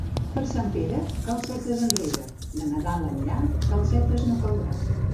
Per Sant Pere, calcetes enrere; de Nadal enllà, calcetes no caldrà.